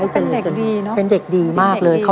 แล้ววันนี้ผมมีสิ่งหนึ่งนะครับเป็นตัวแทนกำลังใจจากผมเล็กน้อยครับ